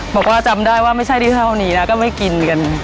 บอกว่าจำได้ว่าไม่ใช่ที่เท่านี้นะก็ไม่กินกัน